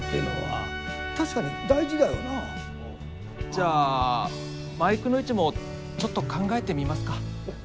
じゃあマイクの位置もちょっと考えてみますか。